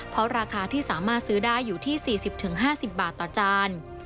เพราะราคาที่สามารถซื้อได้อยู่ที่๔๐๕๐บาทต่อจาน